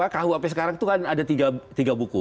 kuhp sekarang itu kan ada tiga buku